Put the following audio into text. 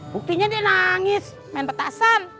buktinya dia nangis main petasan